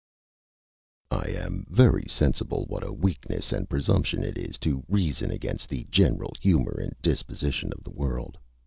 I am very sensible what a weakness and presumption it is to reason against the general humour and disposition of the world.